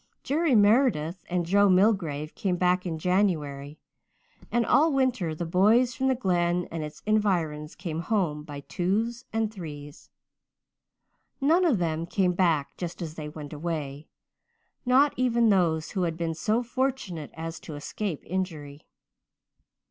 Jerry Meredith and Joe Milgrave came back in January, and all winter the boys from the Glen and its environs came home by twos and threes. None of them came back just as they went away, not even those who had been so fortunate as to escape injury.